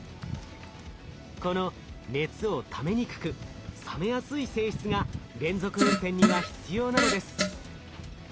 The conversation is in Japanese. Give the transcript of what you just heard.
この熱をためにくく冷めやすい性質が連続運転には必要なのです。